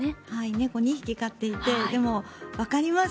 猫、２匹飼っていてでも、わかります。